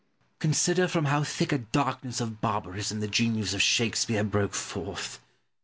Pope. Consider from how thick a darkness of barbarism the genius of Shakespeare broke forth!